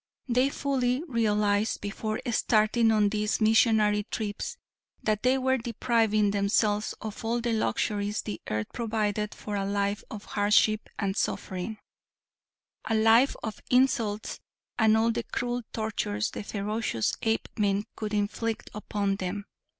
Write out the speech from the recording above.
They fully realized before starting on these missionary trips, that they were depriving themselves of all the luxuries the earth provided for a life of hardship and suffering; a life of insults and all the cruel tortures the ferocious Apemen could inflict upon them.